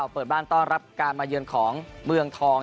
เปิดบ้านต้อนรับการมาเยือนของเมืองทอง